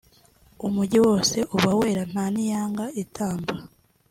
umujyi wose uba wera nta n’iyanga itamba